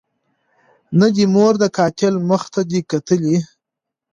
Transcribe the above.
نه دي مور د قاتل مخ ته دي کتلي